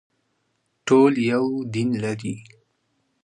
ټول یو دین لري